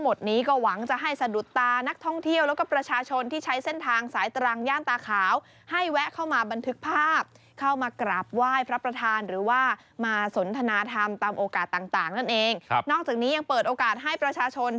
มีประโยชน์ต่อสุขภาพด้วยตลาดเมนูนะครับ